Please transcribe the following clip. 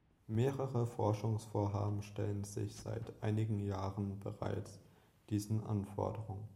Mehrere Forschungsvorhaben stellen sich seit einigen Jahren bereits diesen Anforderungen.